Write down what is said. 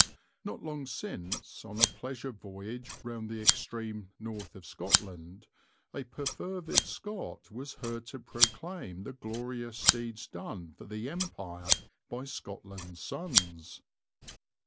Not long since, on a pleasure voyage round the extreme north of Scotland, a perfervid Scot was heard to proclaim the glorious deeds done for the Empire by Scotland's sons.